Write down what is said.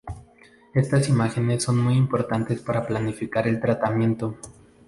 Estas imágenes son muy importantes para planificar el tratamiento.